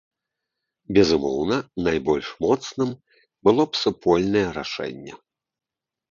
Безумоўна, найбольш моцным было б супольнае рашэнне.